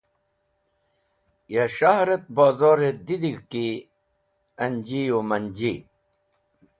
Ya s̃hahr et bozor e didig̃h ki anji u manji.